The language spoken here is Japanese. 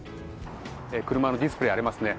車のディスプレーがありますね。